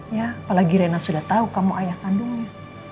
ya apalagi rena sudah tahu kamu ayah kandungnya